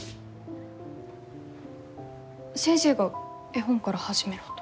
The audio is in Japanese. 先生が絵本から始めろと。